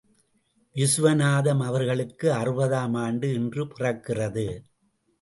விசுவநாதம் அவர்களுக்கு அறுபது ஆம் ஆண்டு இன்று பிறக்கிறது.